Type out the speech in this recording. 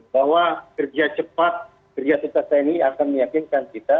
saya yakin bahwa kerja cepat tni akan meyakinkan kita